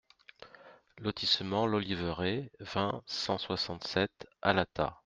Lotissement l'Oliveraie, vingt, cent soixante-sept Alata